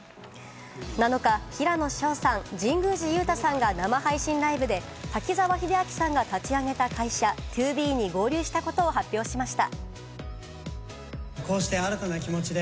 ７日、平野紫耀さん、神宮寺勇太さんが生配信ライブで滝沢秀明さんが立ち上げた会社・ＴＯＢＥに合流したことを発表しました。